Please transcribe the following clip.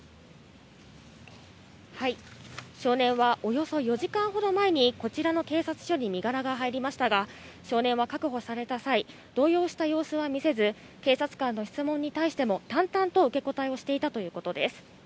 少年はおよそ４時間ほど前に、こちらの警察署に身柄が入りましたが、少年は確保された際、動揺した様子は見せず、警察官の質問に対しても、淡々と受け答えをしていたということです。